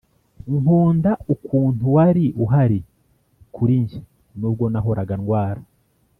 nkunda ukuntu wari uhari kuri njye, nubwo nahoraga ndwara